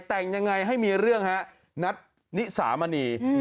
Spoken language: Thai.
แต่งยังไงให้มีเรื่องฮะนัดนิสามณี